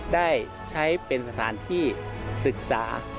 ได้ใช้เป็นสถานที่ศึกษา